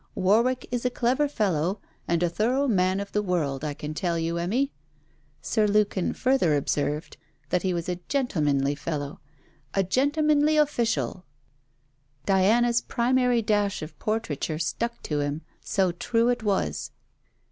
'Warwick is a clever fellow, and a thorough man of the world, I can tell you, Emmy.' Sir Lukin further observed that he was a gentlemanly fellow. 'A gentlemanly official!' Diana's primary dash of portraiture stuck to him, so true it was!